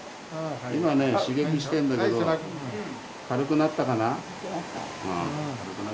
今ね刺激してるんだけど軽くなったかな？